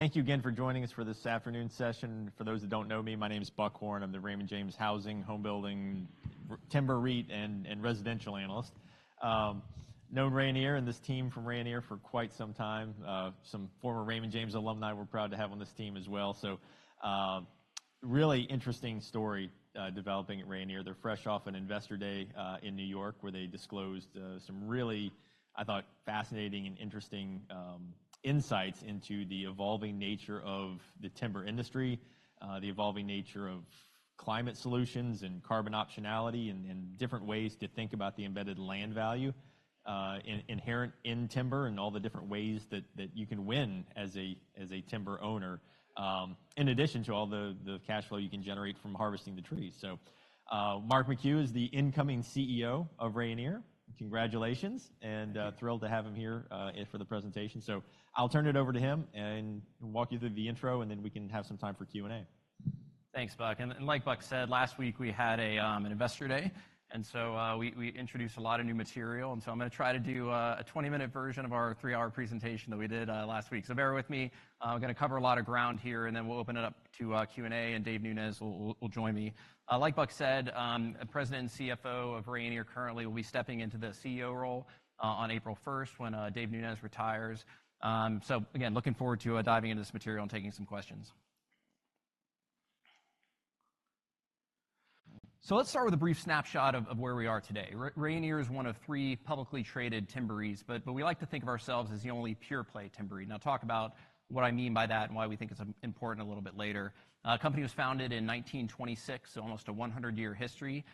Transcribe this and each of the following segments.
Thank you again for joining us for this afternoon session. For those that don't know me, my name is Buck Horne. I'm the Raymond James Housing, Homebuilding, Timber, REIT, and Residential Analyst. Known Rayonier and this team from Rayonier for quite some time. Some former Raymond James alumni we're proud to have on this team as well. So really interesting story developing at Rayonier. They're fresh off an Investor Day in New York where they disclosed some really, I thought, fascinating and interesting insights into the evolving nature of the timber industry, the evolving nature of climate solutions and carbon optionality, and different ways to think about the embedded land value inherent in timber and all the different ways that you can win as a timber owner, in addition to all the cash flow you can generate from harvesting the trees. So Mark McHugh is the incoming CEO of Rayonier. Congratulations. Thrilled to have him here for the presentation. I'll turn it over to him and walk you through the intro, and then we can have some time for Q&A. Thanks, Buck. Like Buck said, last week we had an Investor Day, and so we introduced a lot of new material. So I'm going to try to do a 20-minute version of our three-hour presentation that we did last week. So bear with me. I'm going to cover a lot of ground here, and then we'll open it up to Q&A, and Dave Nunes will join me. Like Buck said, President and CFO of Rayonier currently will be stepping into the CEO role on April 1st when Dave Nunes retires. So again, looking forward to diving into this material and taking some questions. So let's start with a brief snapshot of where we are today. Rayonier is one of three publicly traded timber REITs, but we like to think of ourselves as the only pure-play timber REIT. Now talk about what I mean by that and why we think it's important a little bit later. The company was founded in 1926, so almost a 100-year history.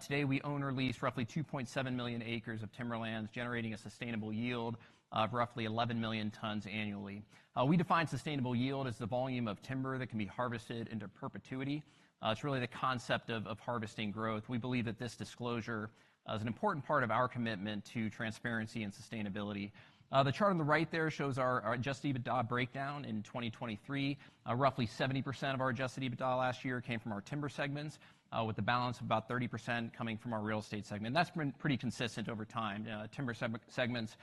Today we own or lease roughly 2.7 million acres of timberlands, generating a sustainable yield of roughly 11 million tons annually. We define sustainable yield as the volume of timber that can be harvested into perpetuity. It's really the concept of harvesting growth. We believe that this disclosure is an important part of our commitment to transparency and sustainability. The chart on the right there shows our adjusted EBITDA breakdown in 2023. Roughly 70% of our adjusted EBITDA last year came from our timber segments, with the balance of about 30% coming from our real estate segment. That's been pretty consistent over time. Timber segments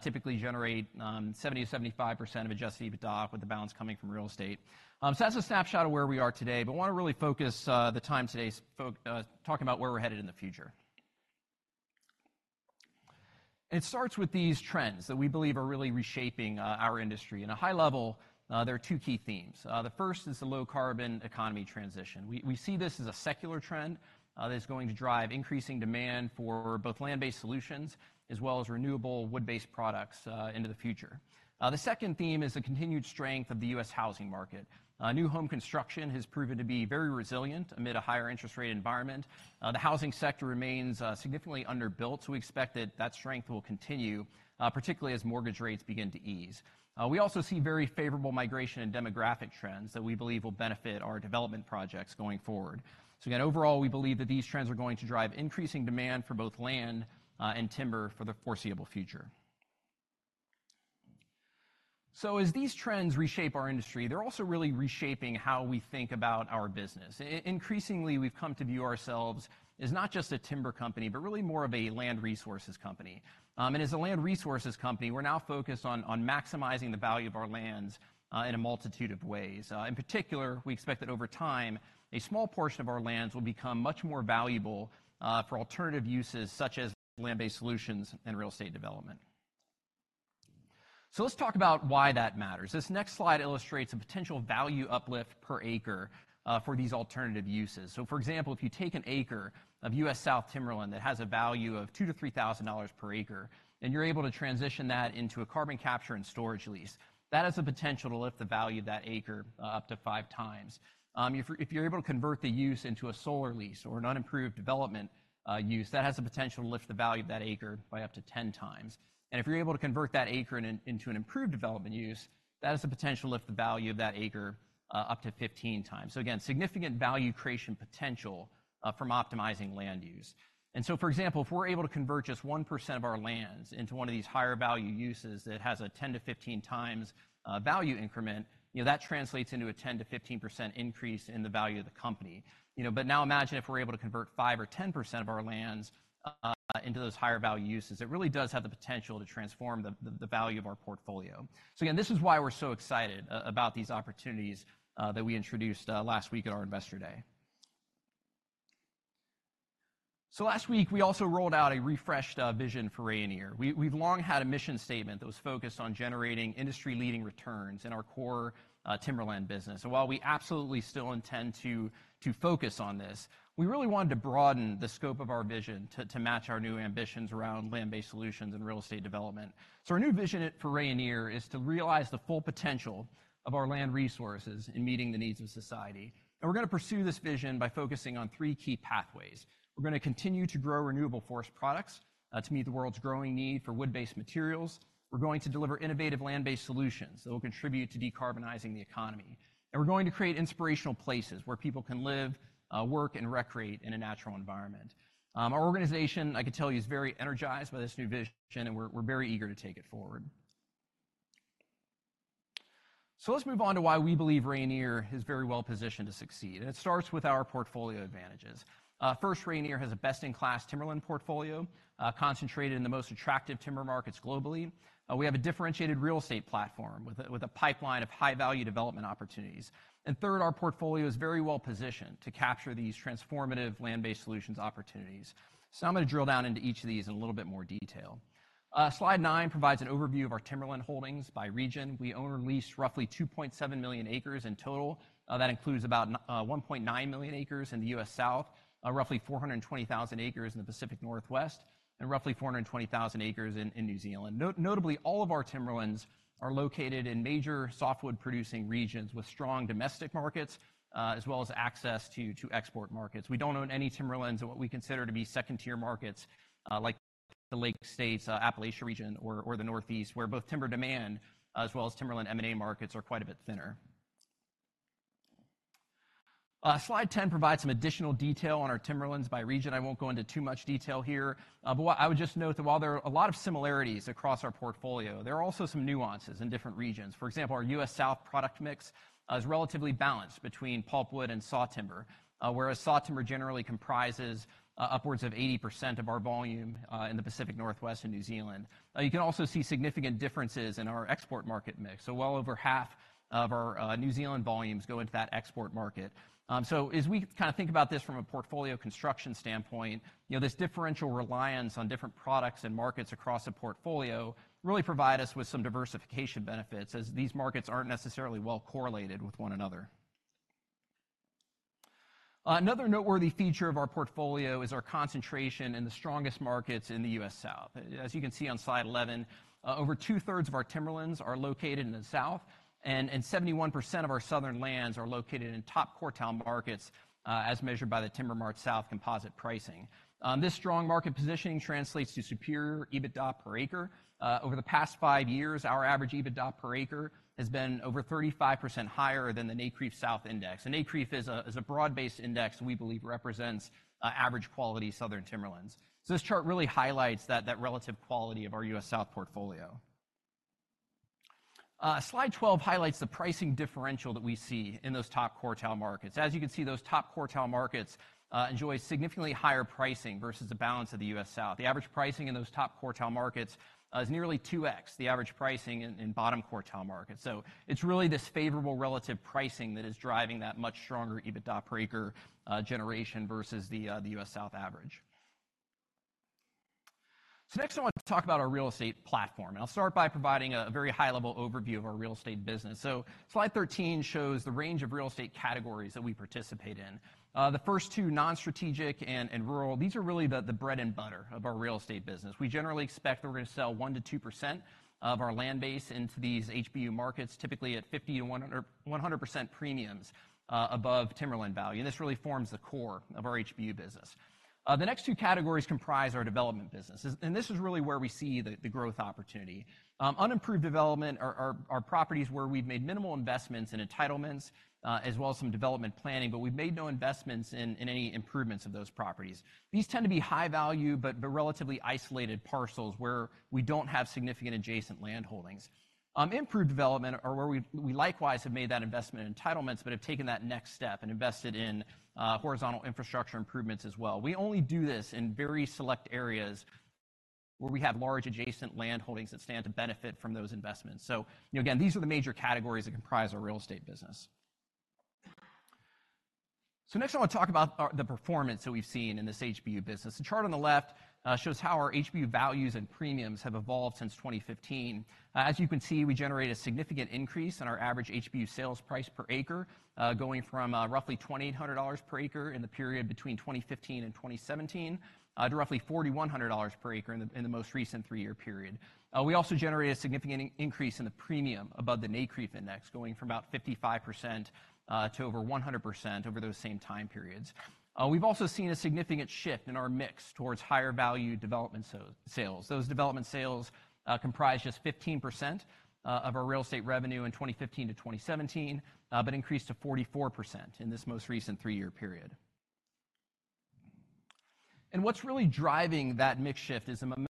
typically generate 70%-75% of adjusted EBITDA, with the balance coming from real estate. That's a snapshot of where we are today, but want to really focus the time today talking about where we're headed in the future. It starts with these trends that we believe are really reshaping our industry. On a high level, there are two key themes. The first is the low-carbon economy transition. We see this as a secular trend that is going to drive increasing demand for both land-based solutions as well as renewable wood-based products into the future. The second theme is the continued strength of the U.S. housing market. New home construction has proven to be very resilient amid a higher interest rate environment. The housing sector remains significantly underbuilt, so we expect that that strength will continue, particularly as mortgage rates begin to ease. We also see very favorable migration and demographic trends that we believe will benefit our development projects going forward. So again, overall, we believe that these trends are going to drive increasing demand for both land and timber for the foreseeable future. As these trends reshape our industry, they're also really reshaping how we think about our business. Increasingly, we've come to view ourselves as not just a timber company, but really more of a land resources company. As a land resources company, we're now focused on maximizing the value of our lands in a multitude of ways. In particular, we expect that over time, a small portion of our lands will become much more valuable for alternative uses such as land-based solutions and real estate development. Let's talk about why that matters. This next slide illustrates a potential value uplift per acre for these alternative uses. So for example, if you take an acre of U.S. South timberland that has a value of $2,000-$3,000 per acre, and you're able to transition that into a carbon capture and storage lease, that has the potential to lift the value of that acre up to 5x. If you're able to convert the use into a solar lease or an unimproved development use, that has the potential to lift the value of that acre by up to 10x. And if you're able to convert that acre into an improved development use, that has the potential to lift the value of that acre up to 15x. So again, significant value creation potential from optimizing land use. For example, if we're able to convert just 1% of our lands into one of these higher-value uses that has a 10-15x value increment, that translates into a 10%-15% increase in the value of the company. Now imagine if we're able to convert 5% or 10% of our lands into those higher-value uses. It really does have the potential to transform the value of our portfolio. Again, this is why we're so excited about these opportunities that we introduced last week at our Investor Day. Last week, we also rolled out a refreshed vision for Rayonier. We've long had a mission statement that was focused on generating industry-leading returns in our core timberland business. While we absolutely still intend to focus on this, we really wanted to broaden the scope of our vision to match our new ambitions around land-based solutions and real estate development. Our new vision for Rayonier is to realize the full potential of our land resources in meeting the needs of society. We're going to pursue this vision by focusing on three key pathways. We're going to continue to grow renewable forest products to meet the world's growing need for wood-based materials. We're going to deliver innovative land-based solutions that will contribute to decarbonizing the economy. And we're going to create inspirational places where people can live, work, and recreate in a natural environment. Our organization, I can tell you, is very energized by this new vision, and we're very eager to take it forward. Let's move on to why we believe Rayonier is very well positioned to succeed. It starts with our portfolio advantages. First, Rayonier has a best-in-class timberland portfolio concentrated in the most attractive timber markets globally. We have a differentiated real estate platform with a pipeline of high-value development opportunities. Third, our portfolio is very well positioned to capture these transformative land-based solutions opportunities. Now I'm going to drill down into each of these in a little bit more detail. Slide 9 provides an overview of our timberland holdings by region. We own or lease roughly 2.7 million acres in total. That includes about 1.9 million acres in the U.S. South, roughly 420,000 acres in the Pacific Northwest, and roughly 420,000 acres in New Zealand. Notably, all of our timberlands are located in major softwood-producing regions with strong domestic markets as well as access to export markets. We don't own any timberlands in what we consider to be second-tier markets like the Lake States, Appalachia region, or the Northeast, where both timber demand as well as timberland M&A markets are quite a bit thinner. Slide 10 provides some additional detail on our timberlands by region. I won't go into too much detail here. But I would just note that while there are a lot of similarities across our portfolio, there are also some nuances in different regions. For example, our U.S. South product mix is relatively balanced between pulpwood and sawtimber, whereas sawtimber generally comprises upwards of 80% of our volume in the Pacific Northwest and New Zealand. You can also see significant differences in our export market mix. So well over half of our New Zealand volumes go into that export market. So as we kind of think about this from a portfolio construction standpoint, this differential reliance on different products and markets across the portfolio really provides us with some diversification benefits as these markets aren't necessarily well correlated with one another. Another noteworthy feature of our portfolio is our concentration in the strongest markets in the U.S. South. As you can see on slide 11, over two-thirds of our timberlands are located in the South, and 71% of our southern lands are located in top quartile markets as measured by the TimberMart-South composite pricing. This strong market positioning translates to superior EBITDA per acre. Over the past five years, our average EBITDA per acre has been over 35% higher than the NCREIF South Index. And NCREIF is a broad-based index that we believe represents average-quality southern timberlands. This chart really highlights that relative quality of our U.S. South portfolio. Slide 12 highlights the pricing differential that we see in those top quartile markets. As you can see, those top quartile markets enjoy significantly higher pricing versus the balance of the U.S. South. The average pricing in those top quartile markets is nearly 2x the average pricing in bottom quartile markets. So it's really this favorable relative pricing that is driving that much stronger EBITDA per acre generation versus the U.S. South average. Next, I want to talk about our real estate platform. I'll start by providing a very high-level overview of our real estate business. Slide 13 shows the range of real estate categories that we participate in. The first two, non-strategic and rural, these are really the bread and butter of our real estate business. We generally expect that we're going to sell 1%-2% of our land base into these HBU markets, typically at 50%-100% premiums above timberland value. This really forms the core of our HBU business. The next two categories comprise our development business. This is really where we see the growth opportunity. Unimproved development are properties where we've made minimal investments in entitlements as well as some development planning, but we've made no investments in any improvements of those properties. These tend to be high-value but relatively isolated parcels where we don't have significant adjacent land holdings. Improved development are where we likewise have made that investment in entitlements but have taken that next step and invested in horizontal infrastructure improvements as well. We only do this in very select areas where we have large adjacent land holdings that stand to benefit from those investments. So again, these are the major categories that comprise our real estate business. Next, I want to talk about the performance that we've seen in this HBU business. The chart on the left shows how our HBU values and premiums have evolved since 2015. As you can see, we generate a significant increase in our average HBU sales price per acre, going from roughly $2,800 per acre in the period between 2015 and 2017 to roughly $4,100 per acre in the most recent three-year period. We also generate a significant increase in the premium above the NCREIF Index, going from about 55% to over 100% over those same time periods. We've also seen a significant shift in our mix towards higher-value development sales. Those development sales comprise just 15% of our real estate revenue in 2015-2017 but increased to 44% in this most recent three-year period. What's really driving that mix shift is the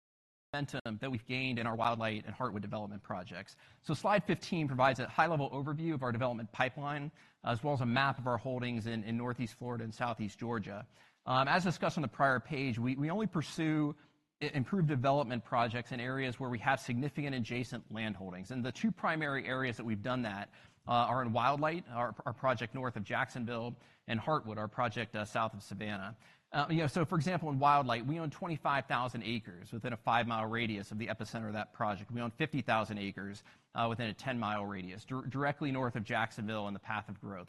momentum that we've gained in our Wildlight and Heartwood development projects. Slide 15 provides a high-level overview of our development pipeline as well as a map of our holdings in Northeast Florida and Southeast Georgia. As discussed on the prior page, we only pursue improved development projects in areas where we have significant adjacent land holdings. The two primary areas that we've done that are in Wildlight, our project north of Jacksonville, and Heartwood, our project south of Savannah. For example, in Wildlight, we own 25,000 acres within a five-mile radius of the epicenter of that project. We own 50,000 acres within a 10-mile radius, directly north of Jacksonville and the path of growth.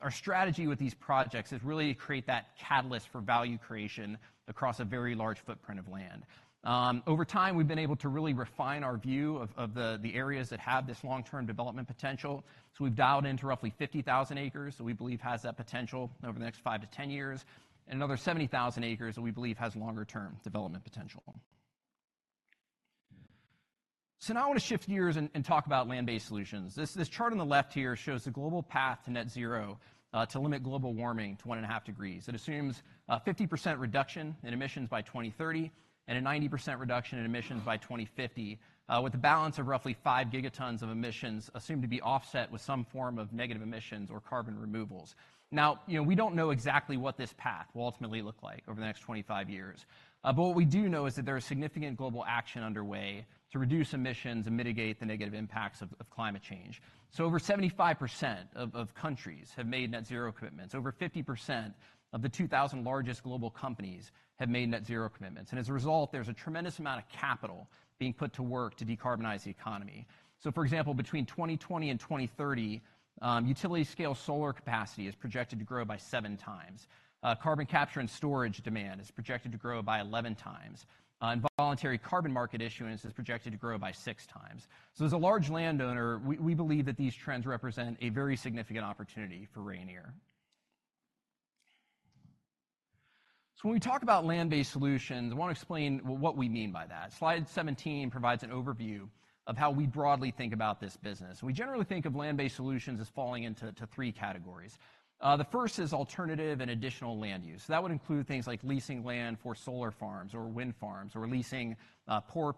Our strategy with these projects is really to create that catalyst for value creation across a very large footprint of land. Over time, we've been able to really refine our view of the areas that have this long-term development potential. We've dialed into roughly 50,000 acres that we believe has that potential over the next five to 10 years, and another 70,000 acres that we believe has longer-term development potential. Now I want to shift gears and talk about land-based solutions. This chart on the left here shows the global path to Net Zero to limit global warming to 1.5 degrees. It assumes a 50% reduction in emissions by 2030 and a 90% reduction in emissions by 2050, with a balance of roughly 5 gigatons of emissions assumed to be offset with some form of negative emissions or carbon removals. Now, we don't know exactly what this path will ultimately look like over the next 25 years. But what we do know is that there is significant global action underway to reduce emissions and mitigate the negative impacts of climate change. Over 75% of countries have made Net Zero commitments. Over 50% of the 2,000 largest global companies have made Net Zero commitments. And as a result, there's a tremendous amount of capital being put to work to decarbonize the economy. For example, between 2020 and 2030, utility-scale solar capacity is projected to grow by 7x. Carbon Capture and Storage demand is projected to grow by 11x. And Voluntary Carbon Market issuance is projected to grow by 6x. As a large landowner, we believe that these trends represent a very significant opportunity for Rayonier. When we talk about land-based solutions, I want to explain what we mean by that. Slide 17 provides an overview of how we broadly think about this business. We generally think of land-based solutions as falling into three categories. The first is alternative and additional land use. That would include things like leasing land for solar farms or wind farms or leasing pore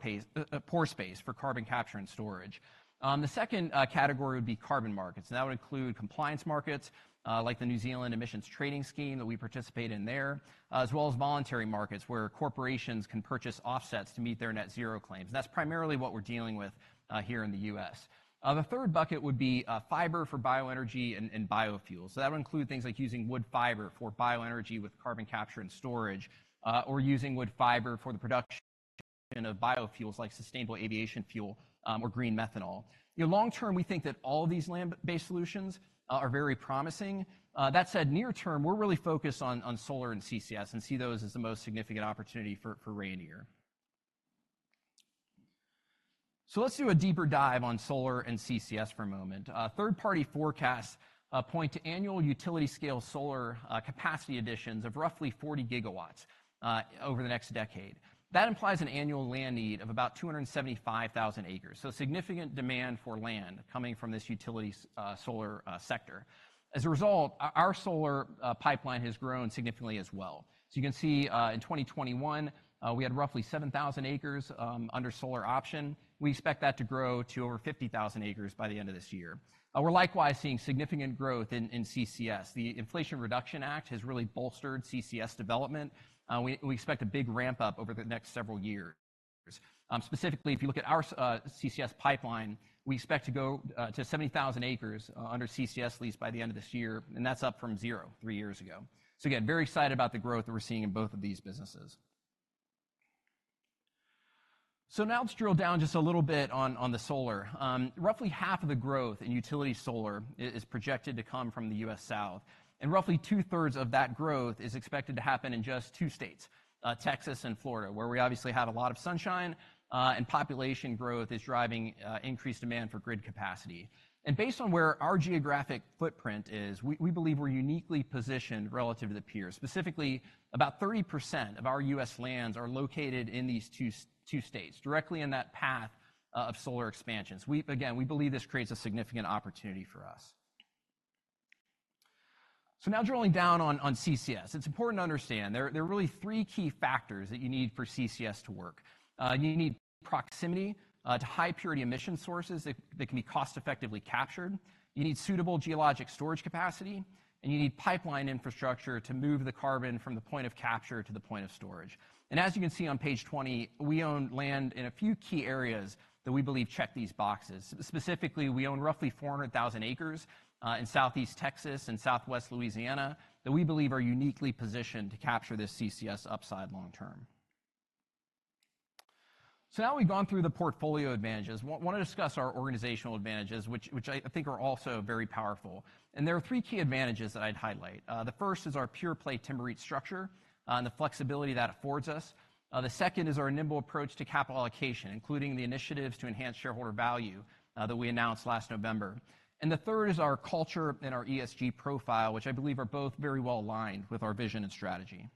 space for carbon capture and storage. The second category would be carbon markets. That would include compliance markets like the New Zealand Emissions Trading Scheme that we participate in there, as well as voluntary markets where corporations can purchase offsets to meet their Net Zero claims. That's primarily what we're dealing with here in the U.S. The third bucket would be fiber for bioenergy and biofuels. That would include things like using wood fiber for bioenergy with carbon capture and storage or using wood fiber for the production of biofuels like Sustainable Aviation Fuel or green methanol. Long term, we think that all of these land-based solutions are very promising. That said, near term, we're really focused on solar and CCS and see those as the most significant opportunity for Rayonier. So let's do a deeper dive on solar and CCS for a moment. Third-party forecasts point to annual utility-scale solar capacity additions of roughly 40 GW over the next decade. That implies an annual land need of about 275,000 acres, so significant demand for land coming from this utility solar sector. As a result, our solar pipeline has grown significantly as well. So you can see in 2021, we had roughly 7,000 acres under solar option. We expect that to grow to over 50,000 acres by the end of this year. We're likewise seeing significant growth in CCS. The Inflation Reduction Act has really bolstered CCS development. We expect a big ramp-up over the next several years. Specifically, if you look at our CCS pipeline, we expect to go to 70,000 acres under CCS lease by the end of this year. That's up from zero three years ago. Again, very excited about the growth that we're seeing in both of these businesses. Now let's drill down just a little bit on the solar. Roughly half of the growth in utility solar is projected to come from the U.S. South. Roughly two-thirds of that growth is expected to happen in just two states, Texas and Florida, where we obviously have a lot of sunshine and population growth is driving increased demand for grid capacity. Based on where our geographic footprint is, we believe we're uniquely positioned relative to the peers. Specifically, about 30% of our U.S. lands are located in these two states, directly in that path of solar expansions. Again, we believe this creates a significant opportunity for us. So now drilling down on CCS, it's important to understand there are really three key factors that you need for CCS to work. You need proximity to high-purity emission sources that can be cost-effectively captured. You need suitable geologic storage capacity. And you need pipeline infrastructure to move the carbon from the point of capture to the point of storage. And as you can see on page 20, we own land in a few key areas that we believe check these boxes. Specifically, we own roughly 400,000 acres in Southeast Texas and Southwest Louisiana that we believe are uniquely positioned to capture this CCS upside long term. So now we've gone through the portfolio advantages. I want to discuss our organizational advantages, which I think are also very powerful. There are three key advantages that I'd highlight. The first is our pure-play timber REIT structure and the flexibility that affords us. The second is our nimble approach to capital allocation, including the initiatives to enhance shareholder value that we announced last November. The third is our culture and our ESG profile, which I believe are both very well aligned with our vision and strategy.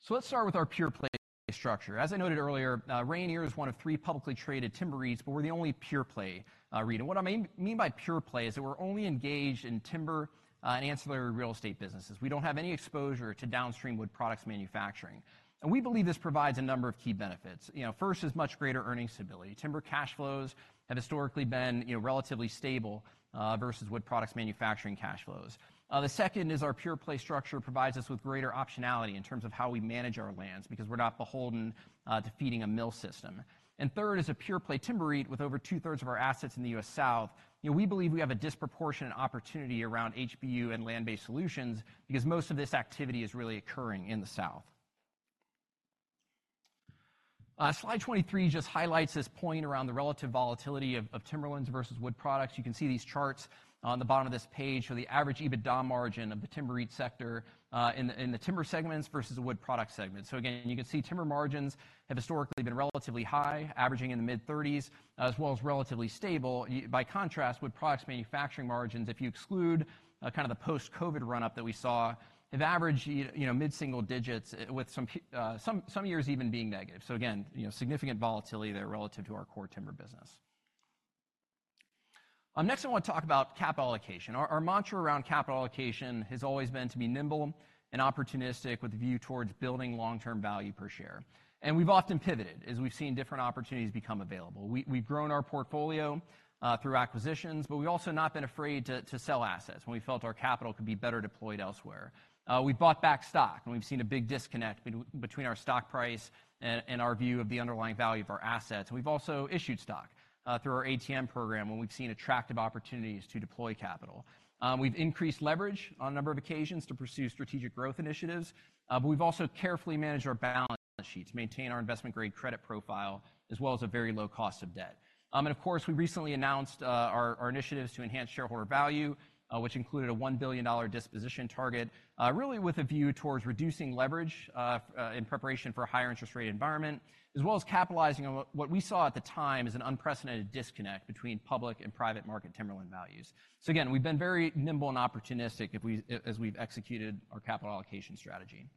So let's start with our pure-play structure. As I noted earlier, Rayonier is one of three publicly traded timber REITs, but we're the only pure-play REIT. What I mean by pure-play is that we're only engaged in timber and ancillary real estate businesses. We don't have any exposure to downstream wood products manufacturing. We believe this provides a number of key benefits. First is much greater earnings stability. Timber cash flows have historically been relatively stable versus wood products manufacturing cash flows. The second is our pure-play structure provides us with greater optionality in terms of how we manage our lands because we're not beholden to feeding a mill system. Third is a pure-play timber REIT with over two-thirds of our assets in the U.S. South. We believe we have a disproportionate opportunity around HBU and land-based solutions because most of this activity is really occurring in the South. Slide 23 just highlights this point around the relative volatility of timberlands versus wood products. You can see these charts on the bottom of this page show the average EBITDA margin of the timber REIT sector in the timber segments versus the wood product segments. So again, you can see timber margins have historically been relatively high, averaging in the mid-30s, as well as relatively stable. By contrast, wood products manufacturing margins, if you exclude kind of the post-COVID run-up that we saw, have averaged mid-single digits, with some years even being negative. So again, significant volatility there relative to our core timber business. Next, I want to talk about capital allocation. Our mantra around capital allocation has always been to be nimble and opportunistic with a view towards building long-term value per share. And we've often pivoted as we've seen different opportunities become available. We've grown our portfolio through acquisitions, but we've also not been afraid to sell assets when we felt our capital could be better deployed elsewhere. We've bought back stock, and we've seen a big disconnect between our stock price and our view of the underlying value of our assets. We've also issued stock through our ATM Program when we've seen attractive opportunities to deploy capital. We've increased leverage on a number of occasions to pursue strategic growth initiatives. But we've also carefully managed our balance sheet to maintain our investment-grade credit profile as well as a very low cost of debt. And of course, we recently announced our initiatives to enhance shareholder value, which included a $1 billion disposition target, really with a view towards reducing leverage in preparation for a higher interest-rate environment, as well as capitalizing on what we saw at the time as an unprecedented disconnect between public and private market timberland values. So again, we've been very nimble and opportunistic as we've executed our capital allocation strategy.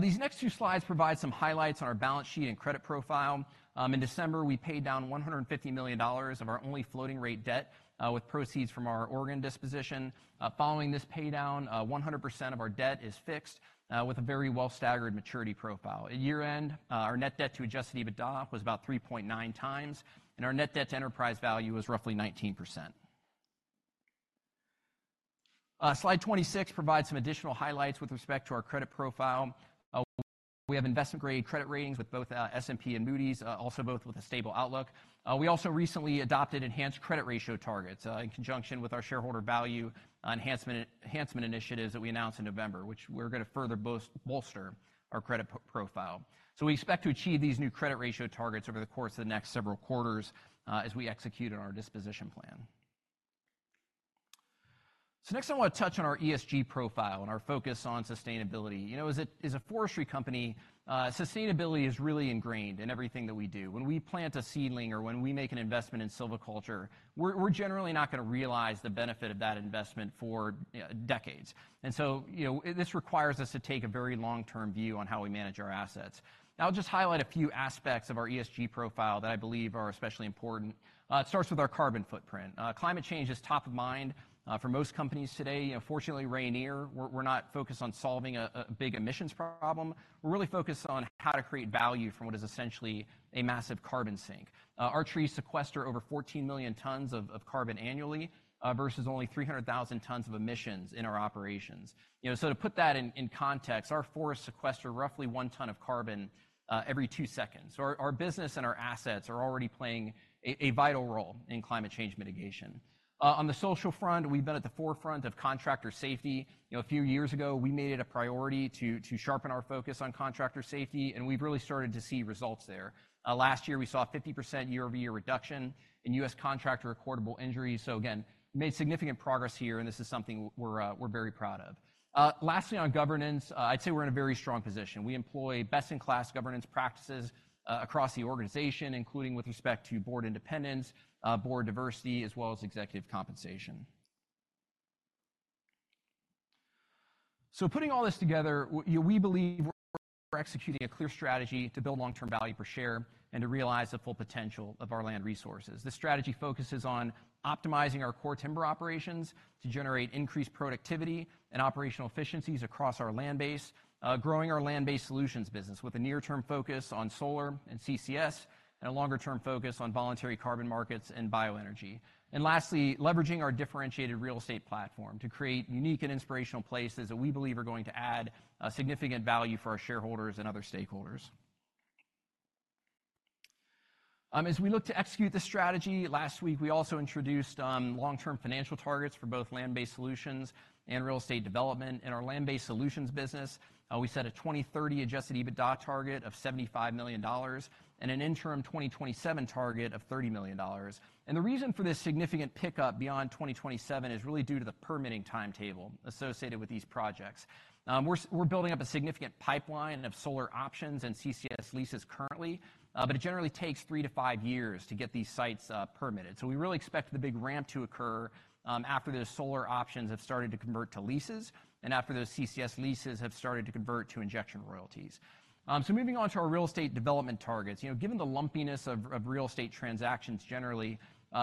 These next two slides provide some highlights on our balance sheet and credit profile. In December, we paid down $150 million of our only floating-rate debt with proceeds from our ongoing disposition. Following this paydown, 100% of our debt is fixed with a very well-staggered maturity profile. At year-end, our net debt to adjusted EBITDA was about 3.9 times. Our net debt to enterprise value was roughly 19%. Slide 26 provides some additional highlights with respect to our credit profile. We have investment-grade credit ratings with both S&P and Moody's, also both with a stable outlook. We also recently adopted enhanced credit ratio targets in conjunction with our shareholder value enhancement initiatives that we announced in November, which we're going to further bolster our credit profile. We expect to achieve these new credit ratio targets over the course of the next several quarters as we execute on our disposition plan. So next, I want to touch on our ESG profile and our focus on sustainability. As a forestry company, sustainability is really ingrained in everything that we do. When we plant a seedling or when we make an investment in silviculture, we're generally not going to realize the benefit of that investment for decades. And so this requires us to take a very long-term view on how we manage our assets. Now, I'll just highlight a few aspects of our ESG profile that I believe are especially important. It starts with our carbon footprint. Climate change is top of mind for most companies today. Fortunately, Rayonier, we're not focused on solving a big emissions problem. We're really focused on how to create value from what is essentially a massive carbon sink. Our trees sequester over 14 million tons of carbon annually versus only 300,000 tons of emissions in our operations. So to put that in context, our forests sequester roughly 1 ton of carbon every two seconds. So our business and our assets are already playing a vital role in climate change mitigation. On the social front, we've been at the forefront of contractor safety. A few years ago, we made it a priority to sharpen our focus on contractor safety. And we've really started to see results there. Last year, we saw a 50% year-over-year reduction in U.S. contractor recordable injuries. So again, we made significant progress here, and this is something we're very proud of. Lastly, on governance, I'd say we're in a very strong position. We employ best-in-class governance practices across the organization, including with respect to board independence, board diversity, as well as executive compensation. So putting all this together, we believe we're executing a clear strategy to build long-term value per share and to realize the full potential of our land resources. This strategy focuses on optimizing our core timber operations to generate increased productivity and operational efficiencies across our land base, growing our land-based solutions business with a near-term focus on solar and CCS and a longer-term focus on voluntary carbon markets and bioenergy. And lastly, leveraging our differentiated real estate platform to create unique and inspirational places that we believe are going to add significant value for our shareholders and other stakeholders. As we look to execute this strategy, last week, we also introduced long-term financial targets for both land-based solutions and real estate development. In our land-based solutions business, we set a 2030 adjusted EBITDA target of $75 million and an interim 2027 target of $30 million. The reason for this significant pickup beyond 2027 is really due to the permitting timetable associated with these projects. We're building up a significant pipeline of solar options and CCS leases currently. But it generally takes three to five years to get these sites permitted. We really expect the big ramp to occur after those solar options have started to convert to leases and after those CCS leases have started to convert to injection royalties. Moving on to our real estate development targets, given the lumpiness of real estate transactions generally,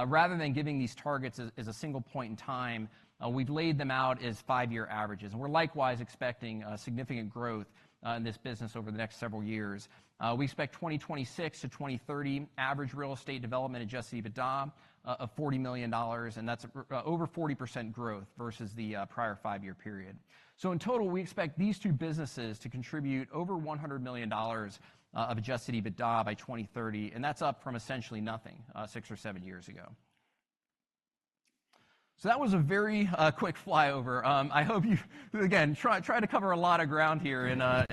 rather than giving these targets as a single point in time, we've laid them out as five-year averages. We're likewise expecting significant growth in this business over the next several years. We expect 2026-2030 average real estate development adjusted EBITDA of $40 million. That's over 40% growth versus the prior 5-year period. So in total, we expect these two businesses to contribute over $100 million of adjusted EBITDA by 2030. And that's up from essentially nothing six or seven years ago. So that was a very quick flyover. I hope you, again, tried to cover a lot of ground here in a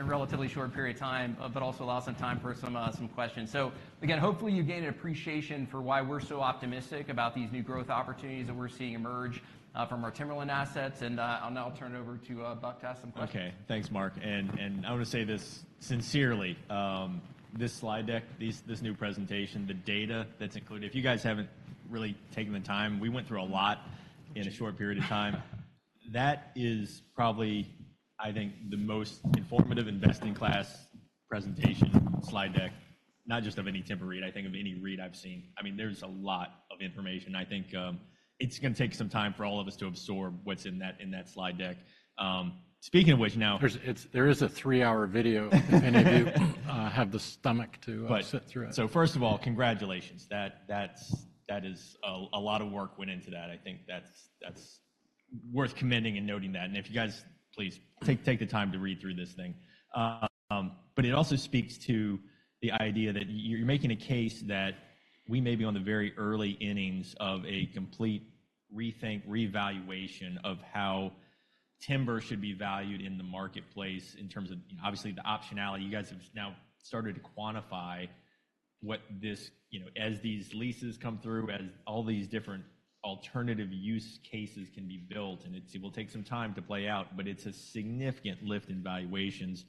relatively short period of time but also allow some time for some questions. So again, hopefully, you gained an appreciation for why we're so optimistic about these new growth opportunities that we're seeing emerge from our timberland assets. And now I'll turn it over to Buck to ask some questions. Okay. Thanks, Mark. And I want to say this sincerely. This slide deck, this new presentation, the data that's included if you guys haven't really taken the time, we went through a lot in a short period of time. That is probably, I think, the most informative investing-class presentation slide deck, not just of any timber REIT, I think, of any REIT I've seen. I mean, there's a lot of information. I think it's going to take some time for all of us to absorb what's in that slide deck. Speaking of which, now. There is a three-hour video if any of you have the stomach to sit through it. Right. So first of all, congratulations. That is a lot of work went into that. I think that's worth commending and noting that. And if you guys, please. Take the time to read through this thing. But it also speaks to the idea that you're making a case that we may be on the very early innings of a complete rethink, reevaluation of how timber should be valued in the marketplace in terms of obviously, the optionality. You guys have now started to quantify what this as these leases come through, as all these different alternative use cases can be built. And it will take some time to play out. But it's a significant lift in valuations.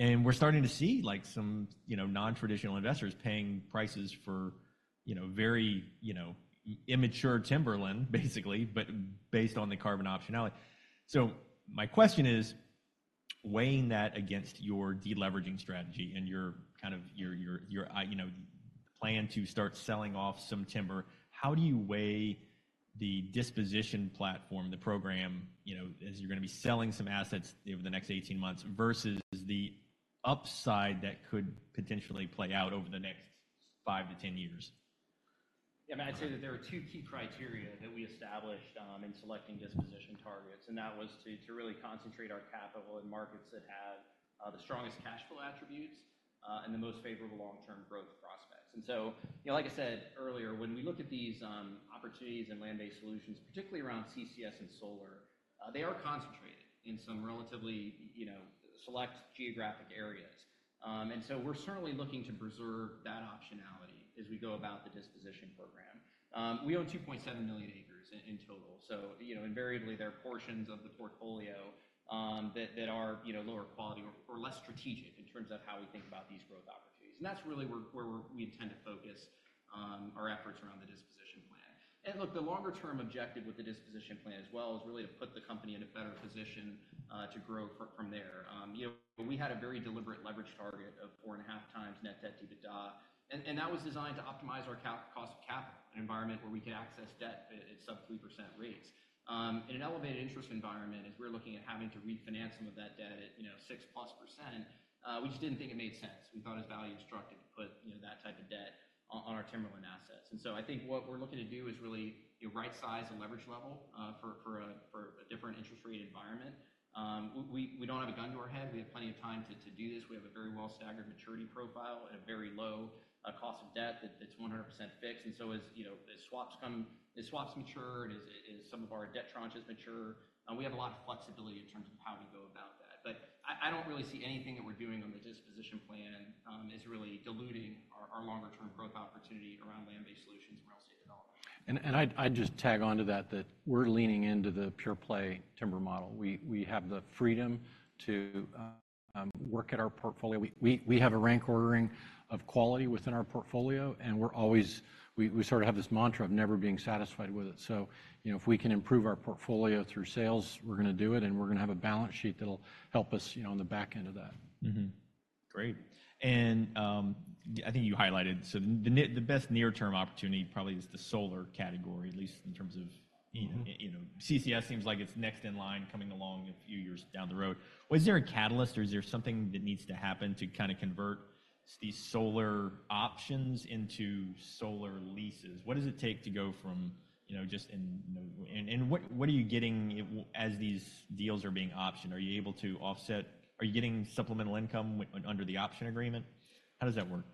And we're starting to see some nontraditional investors paying prices for very immature timberland, basically, but based on the carbon optionality. My question is, weighing that against your deleveraging strategy and your kind of plan to start selling off some timber, how do you weigh the disposition platform, the program, as you're going to be selling some assets over the next 18 months versus the upside that could potentially play out over the next five to 10 years? Yeah. I mean, I'd say that there are two key criteria that we established in selecting disposition targets. That was to really concentrate our capital in markets that have the strongest cash flow attributes and the most favorable long-term growth prospects. So like I said earlier, when we look at these opportunities in land-based solutions, particularly around CCS and solar, they are concentrated in some relatively select geographic areas. We're certainly looking to preserve that optionality as we go about the disposition program. We own 2.7 million acres in total. So invariably, there are portions of the portfolio that are lower quality or less strategic in terms of how we think about these growth opportunities. That's really where we intend to focus our efforts around the disposition plan. Look, the longer-term objective with the disposition plan as well is really to put the company in a better position to grow from there. We had a very deliberate leverage target of 4.5x net debt to EBITDA. That was designed to optimize our cost of capital, an environment where we could access debt at sub-3% rates. In an elevated interest environment, as we're looking at having to refinance some of that debt at 6%+, we just didn't think it made sense. We thought it was value destructive to put that type of debt on our timberland assets. So I think what we're looking to do is really right-size the leverage level for a different interest-rate environment. We don't have a gun to our head. We have plenty of time to do this. We have a very well-staggered maturity profile and a very low cost of debt that's 100% fixed. And so as swaps mature, as some of our debt tranches mature, we have a lot of flexibility in terms of how we go about that. But I don't really see anything that we're doing on the disposition plan as really diluting our longer-term growth opportunity around land-based solutions and real estate development. I'd just tag on to that, that we're leaning into the pure-play timber model. We have the freedom to work at our portfolio. We have a rank ordering of quality within our portfolio. And we sort of have this mantra of never being satisfied with it. So if we can improve our portfolio through sales, we're going to do it. And we're going to have a balance sheet that'll help us on the back end of that. Great. And I think you highlighted so the best near-term opportunity probably is the solar category, at least in terms of CCS. Seems like it's next in line coming along a few years down the road. Well, is there a catalyst, or is there something that needs to happen to kind of convert these solar options into solar leases? What does it take to go from just in and what are you getting as these deals are being optioned? Are you able to offset? Are you getting supplemental income under the option agreement? How does that work?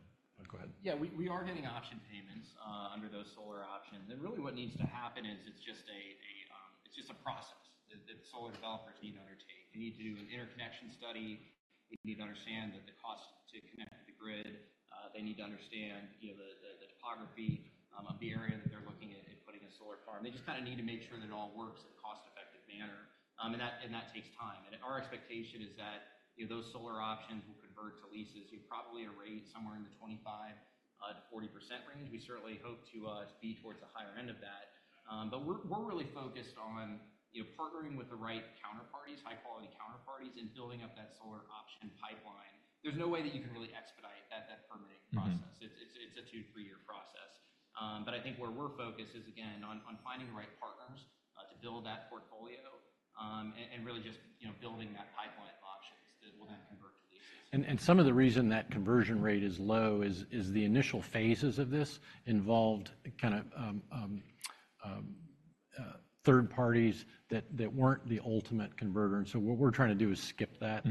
Go ahead. Yeah. We are getting option payments under those solar options. And really, what needs to happen is it's just a process that solar developers need to undertake. They need to do an interconnection study. They need to understand the cost to connect to the grid. They need to understand the topography of the area that they're looking at putting a solar farm. They just kind of need to make sure that it all works in a cost-effective manner. And that takes time. And our expectation is that those solar options will convert to leases probably at a rate somewhere in the 25%-40% range. We certainly hope to be towards the higher end of that. But we're really focused on partnering with the right counterparties, high-quality counterparties, and building up that solar option pipeline. There's no way that you can really expedite that permitting process. It's a two-three-year process. But I think where we're focused is, again, on finding the right partners to build that portfolio and really just building that pipeline of options that will then convert to leases. Some of the reason that conversion rate is low is the initial phases of this involved kind of third parties that weren't the ultimate converter. So what we're trying to do is skip that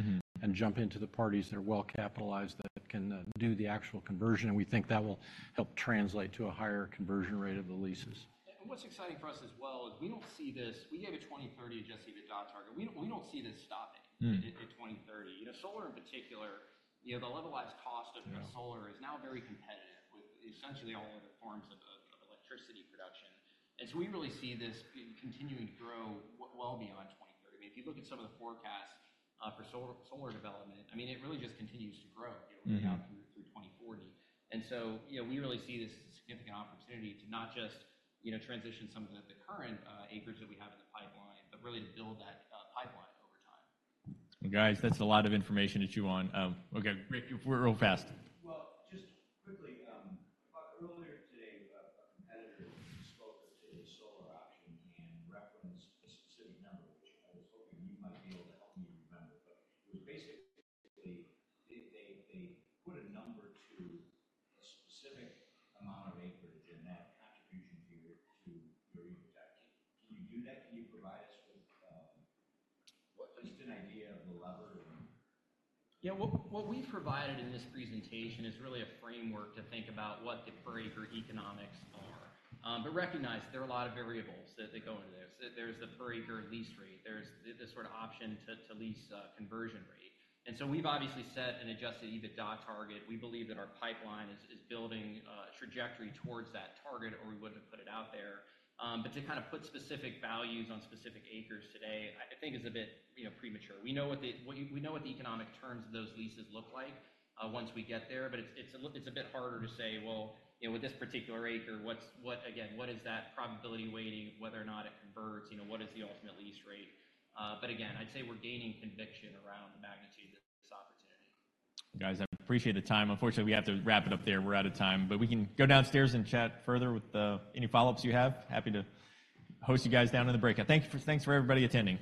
and jump into the parties that are well-capitalized that can do the actual conversion. We think that will help translate to a higher conversion rate of the leases. What's exciting for us as well is we don't see this. We gave a 2030 adjusted EBITDA target. We don't see this stopping at 2030. Solar, in particular, the levelized cost of solar is now very competitive with essentially all other forms of electricity production. And so we really see this continuing to grow well beyond 2030. I mean, if you look at some of the forecasts for solar development, I mean, it really just continues to grow right now through 2040. And so we really see this as a significant opportunity to not just transition some of the current acres that we have in the pipeline but really to build that pipeline over time. Well, guys, that's a lot of information that you want. Okay. Rick, we're real fast. But to kind of put specific values on specific acres today, I think, is a bit premature. We know what the economic terms of those leases look like once we get there. But it's a bit harder to say, "Well, with this particular acre, again, what is that probability weighting, whether or not it converts? What is the ultimate lease rate?" But again, I'd say we're gaining conviction around the magnitude of this opportunity. Guys, I appreciate the time. Unfortunately, we have to wrap it up there. We're out of time. But we can go downstairs and chat further with any follow-ups you have. Happy to host you guys down in the breakout. Thanks for everybody attending.